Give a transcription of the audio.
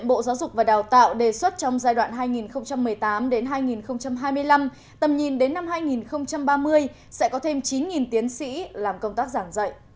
bộ giáo dục và đào tạo đề xuất trong giai đoạn hai nghìn một mươi tám hai nghìn hai mươi năm tầm nhìn đến năm hai nghìn ba mươi sẽ có thêm chín tiến sĩ làm công tác giảng dạy